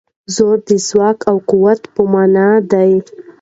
زور د ځواک او قوت په مانا دی.